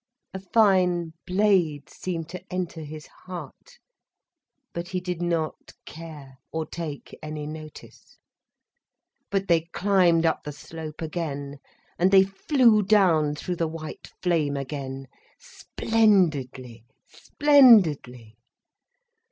A fine blade seemed to enter his heart, but he did not care, or take any notice. But they climbed up the slope again, and they flew down through the white flame again, splendidly, splendidly.